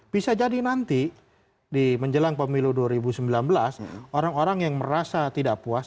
bisa jadi nanti di menjelang pemilu dua ribu sembilan belas orang orang yang merasa tidak puas